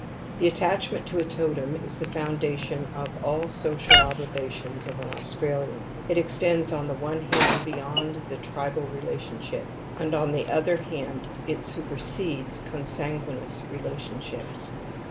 The . attachment to a totem is the foundation of all the social obligations of an Australian : it extends on the one hand beyond the tribal relationship, and on the other hand it super sedes consanguineous relationship ^.